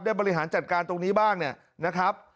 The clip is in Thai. ได้บริหารจัดการตรงนี้บ้างนะครับ